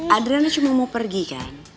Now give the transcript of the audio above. adriana cuma mau pergi kan